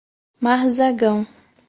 Marzagão